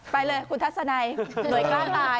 ไปเลยคุณทัศนัยกล้องน่าย